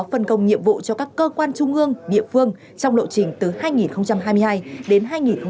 phân công nhiệm vụ cho các cơ quan trung ương địa phương trong lộ trình từ hai nghìn hai mươi hai đến hai nghìn hai mươi năm